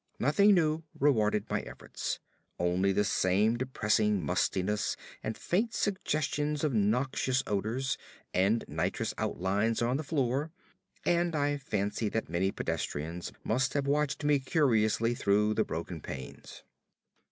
Nothing new rewarded my efforts only the same depressing mustiness and faint suggestions of noxious odors and nitrous outlines on the floor and I fancy that many pedestrians must have watched me curiously through the broken panes.